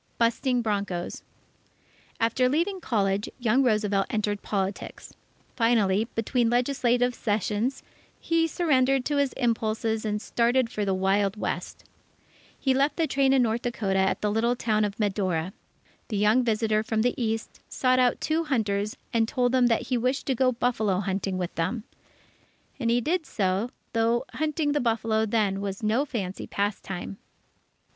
Busting Broncos After leaving college, young Roosevelt entered politics. Finally, between legislative sessions, he surrendered to his impulses and started for the Wild West. He left the train in North Dakota at the little town of Medora. The young visitor from the East, sought out two hunters and told them that he wished to go buffalo hunting with them. And he did so, though hunting the buffalo then was no fancy pastime.